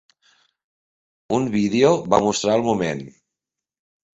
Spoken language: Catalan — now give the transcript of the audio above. Un vídeo va mostrar el moment.